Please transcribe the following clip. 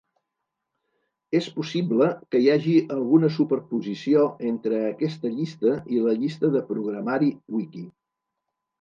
És possible que hi hagi alguna superposició entre aquesta llista i la llista de programari wiki.